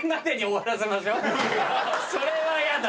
それはやだ。